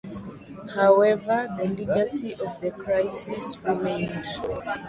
However the legacy of the crisis remained.